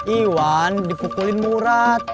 iwan dipukulin murad